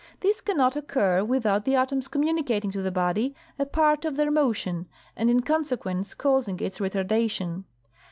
This can not occur without the atoms communicating to the body a part of their motion, and in consequence causing its retardation.